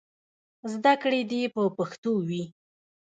زدهکړې دې په پښتو وي.